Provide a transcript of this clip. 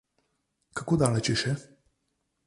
Kako daleč je še?